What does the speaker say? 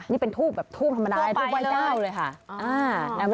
นี่เป็นทูบแบบทูบธรรมดาทูบไหว้เจ้าเลยค่ะ